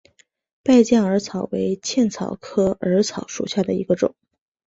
败酱耳草为茜草科耳草属下的一个种。